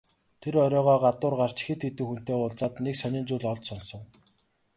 Тэр оройгоо гадуур гарч хэд хэдэн хүнтэй уулзаад нэг сонин зүйл олж сонсов.